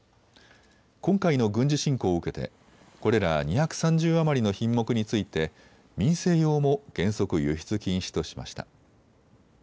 今回の軍事侵攻を受けてこれら２３０余りの品目について民生用も原則輸出禁止としました。